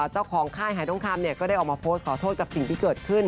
ค่ายหายทองคำก็ได้ออกมาโพสต์ขอโทษกับสิ่งที่เกิดขึ้น